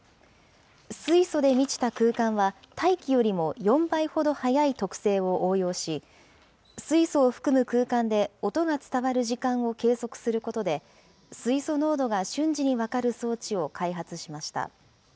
水素で満ちた空間は、大気よりも４倍ほど速い特性を応用し、水素を含む空間で音が伝わる時間を計測することで、水素濃度が瞬時に分かる装置を開発しました。